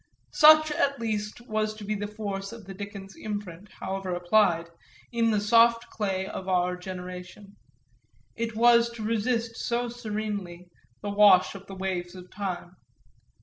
Such at least was to be the force of the Dickens imprint, however applied, in the soft clay of our generation; it was to resist so serenely the wash of the waves of time.